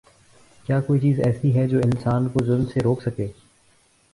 کیا کوئی چیز ایسی ہے جو انسان کو ظلم سے روک سکے؟